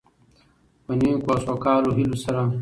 په نیکو او سوکاله هيلو سره،